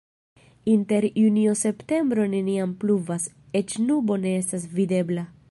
Inter junio-septembro neniam pluvas, eĉ nubo ne estas videbla.